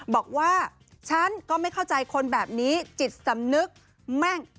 บอกว่าฉันก็ไม่เข้าใจคนแบบนี้จิตสำนึกแม่ง